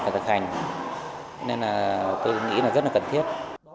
phải thực hành nên là tôi nghĩ là rất là cần thiết